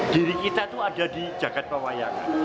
diri kita itu ada di jagad pewayangan